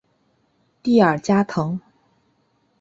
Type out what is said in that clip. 蒂尔加滕。